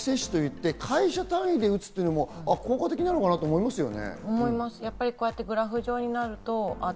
さらに職域接種といって会社単位で打つというのも効果的かなと思いますね。